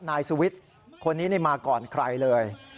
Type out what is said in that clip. นายสุวิทย์คนนี้มาก่อนใครเลย